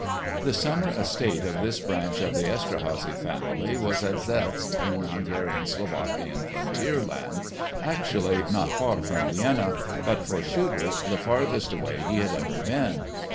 The summer estate of this branch of the Esterházy family was at Zseliz, in Hungarian Slovakian frontier land, actually not far from Vienna but for Schubert the farthest away he had ever been.